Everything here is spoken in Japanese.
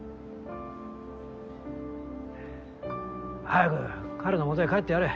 早く彼のもとへ帰ってやれ。